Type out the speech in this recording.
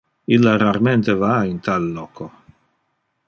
Illa rarmente va in tal loco.